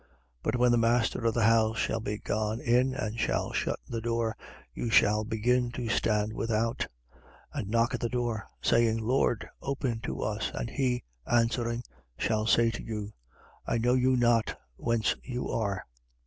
But when the master of the house shall be gone in and shall shut the door, you shall begin to stand without; and knock at the door, saying: Lord, open to us. And he answering, shall say to you: I know you not, whence you are.